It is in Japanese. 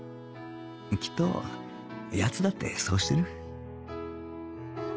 きっと奴だってそうしてる